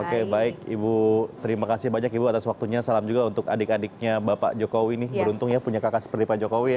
oke baik ibu terima kasih banyak ibu atas waktunya salam juga untuk adik adiknya bapak jokowi nih beruntung ya punya kakak seperti pak jokowi ya